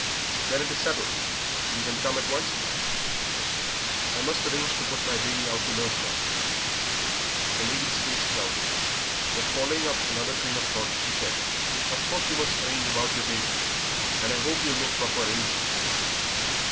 "Then it is settled. You can come at once?" "I must arrange to put my baby out to nurse, ma'am." The lady's face clouded. But following up another train of thought, she said "Of course you must arrange about your baby, and I hope you'll make proper arrangements.